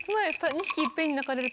２匹いっぺんに鳴かれると。